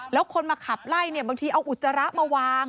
แล้วคนมาขับไล่เนี่ยบางทีเอาอุจจาระมาวาง